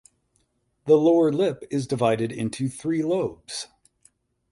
The lower lip is divided into three lobes.